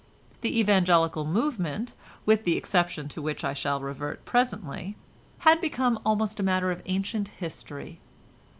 The Evangelical movement, with the exception to which I shall revert presently, had become almost a matter of ancient history.